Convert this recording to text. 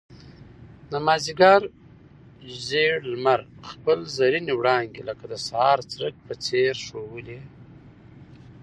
د مازيګر زېړ لمر خپل زرينې وړانګې لکه د سهار څرک په څېر ښوولې.